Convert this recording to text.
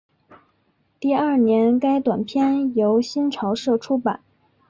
第二年该短篇由新潮社出版。